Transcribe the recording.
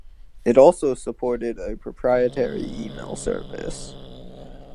It also supported a proprietary email service.